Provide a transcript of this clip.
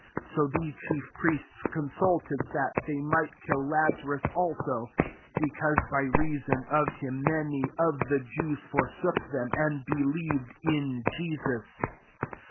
10 So the chief priests consulted that they might kill Lazarus also; 11 because, by reason of him, many of the Jews forsook them, and believed in Jesus.